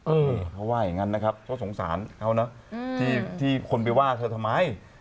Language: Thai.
เออเขาว่าอย่างนั้นนะครับเขาสงสารเขานะที่คนไปว่าเธอทำไม